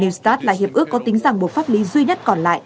new start là hiệp ước có tính rằng một pháp lý duy nhất còn lại